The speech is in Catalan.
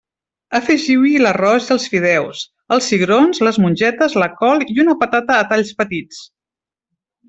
Afegiu-hi l'arròs i els fideus, els cigrons, les mongetes, la col i una patata a talls petits.